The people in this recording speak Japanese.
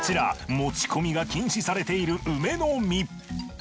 持ち込みが禁止されている梅の実。